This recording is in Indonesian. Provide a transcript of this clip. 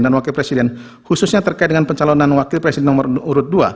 dan wakil presiden khususnya terkait dengan pencalonan wakil presiden nomor u dua